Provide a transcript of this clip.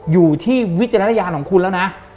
อยู่ที่วิจารณญาณของคุณแล้วนะ